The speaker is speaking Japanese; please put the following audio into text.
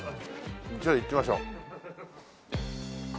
じゃあ行ってみましょう。